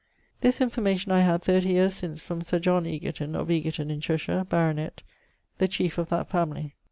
This information I had 30 yeares since from Sir John Egerton of Egerton in Cheshire, baronet, the chiefe of that family.